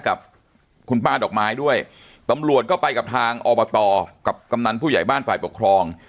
กับคุณป้าดอกไม้ด้วยตำรวจก็ไปกับทางอบตกับกำนันผู้ใหญ่บ้านฝ่ายปกครอง